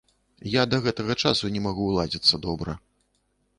Я да гэтага часу не магу ўладзіцца добра.